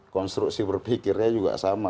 konstruksi berpikirnya juga sama